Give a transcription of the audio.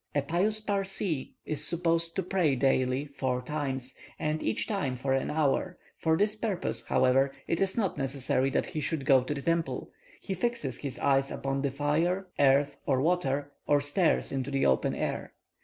A pious Parsee is supposed to pray daily four times, and each time for an hour; for this purpose, however, it is not necessary that he should go to the temple; he fixes his eyes upon fire, earth, or water, or stares into the open air.